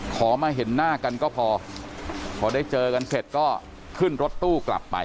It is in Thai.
ขอมาเห็นหน้ากันก็พอพอได้เจอกันเสร็จก็ขึ้นรถตู้กลับไป